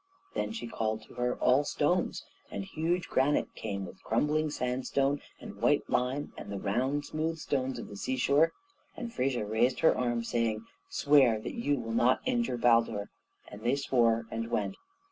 Then she called to her all stones; and huge granite came with crumbling sandstone, and white lime, and the round, smooth stones of the seashore, and Frigga raised her arm, saying, "Swear that you will not injure Baldur"; and they swore, and went.